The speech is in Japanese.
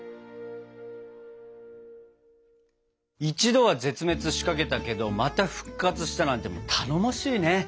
一度は絶滅しかけたけどまた復活したなんてもう頼もしいね！